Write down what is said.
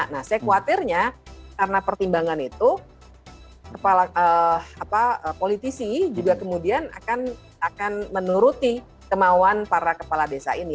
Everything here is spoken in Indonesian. nah saya khawatirnya karena pertimbangan itu politisi juga kemudian akan menuruti kemauan para kepala desa ini